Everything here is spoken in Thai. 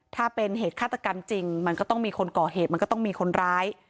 ถ้าเป็นเหตุฆาตกรรมจริงมันก็ต้องมีคนก่อเหตุมันก็ต้องมีคนร้าย